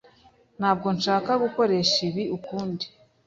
Ntabwo nshaka gukoresha ibi ukundi.